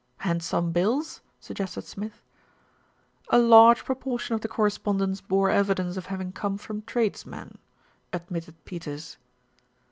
"And some bills?" suggested Smith. "A large proportion of the correspondence bore evidence of having come from tradesmen," admitted Peters.